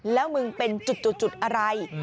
แล้วมึงเป็นจุดอะไร